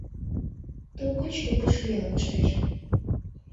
- Туп гыч тупыш веле коштеш.